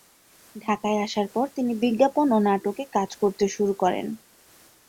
ঢাকায় আসার পর তিনি বিজ্ঞাপন ও নাটকে কাজ করতে শুরু করেন।